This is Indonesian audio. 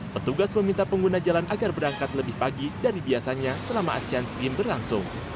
petugas meminta pengguna jalan agar berangkat lebih pagi dari biasanya selama asian games berlangsung